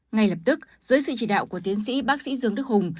ngay lập tức dưới sự chỉ đạo của tiến sĩ bác sĩ dương đức hùng